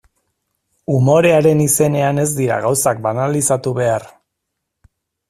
Umorearen izenean ez dira gauzak banalizatu behar.